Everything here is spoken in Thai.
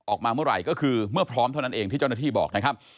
ออกมาเมื่อไหร่ก็คือเมื่อพร้อมเท่านั้นเองที่เจ้าหน้าที่บอกนะครับ